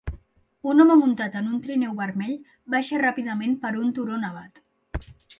Un home muntat en un trineu vermell baixa ràpidament per un turó nevat